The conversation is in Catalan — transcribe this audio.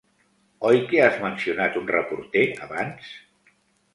Oi que has mencionat un reporter abans?